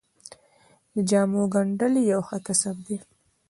د جامو ګنډل یو ښه کسب دی